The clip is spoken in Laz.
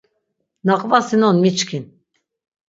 Na qvasinon miçkin.